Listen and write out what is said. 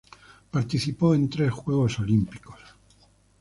Participó en tres Juegos Olímpicos.